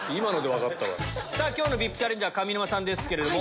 今日のＶＩＰチャレンジャー上沼さんですけれども。